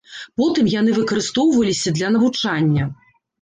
Потым яны выкарыстоўваліся для навучання.